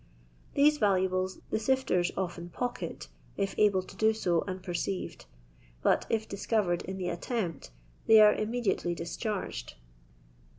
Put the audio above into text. These valuables the sifters often pocket, if able to do so unperceived, but if discovered in the attempt, they are immediately discharged.